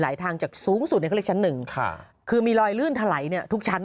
ทางจากสูงสุดเนี่ยเขาเรียกชั้นหนึ่งค่ะคือมีรอยลื่นถลายเนี่ยทุกชั้น